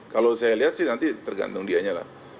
kalau saya lihat sih nanti tergantung dianya lah